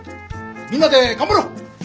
みんなで頑張ろう！